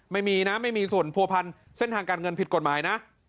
ไม่มีนะไม่มีส่วนผัวพันธ์เส้นทางการเงินผิดกฎหมายนะ